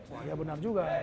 wah ya benar juga